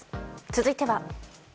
続いては。